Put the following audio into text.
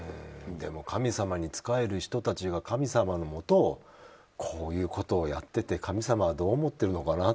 でも神様に仕える人たちが神様のもとこういうことをやっていて神様はどう思っているのか